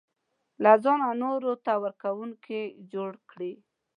له ځانه نورو ته ورکوونکی جوړ کړي.